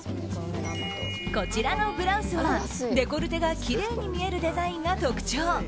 こちらのブラウスはデコルテがきれいに見えるデザインが特徴。